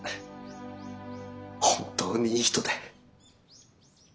本当にいい人で。